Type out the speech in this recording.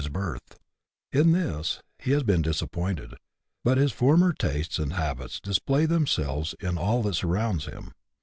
23 his birth : in this he has been disappointed, but his former tastes and habits display themselves in all that surrounds him.